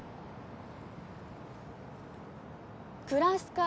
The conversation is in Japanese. クラス会！